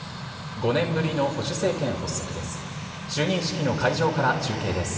５年ぶりの保守政権発足です。